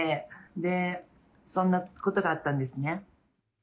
で、そんなことがあったんですね。